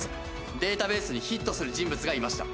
データベースにヒットする人物がいました。